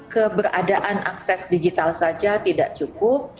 keberadaan akses digital saja tidak cukup